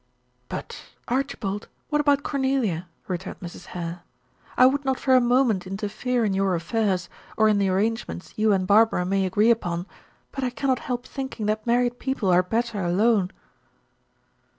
"But, Archibald, what about Cornelia?" returned Mrs. Hare. "I would not for a moment interfere in your affairs, or in the arrangements you and Barbara may agree upon, but I cannot help thinking that married people are better alone."